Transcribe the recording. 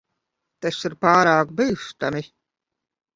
Tas ir pārāk bīstami.